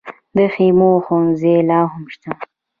د خیمو ښوونځي لا هم شته؟